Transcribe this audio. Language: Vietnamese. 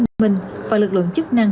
công an tp hcm và lực lượng chức năng